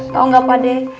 tau gak pade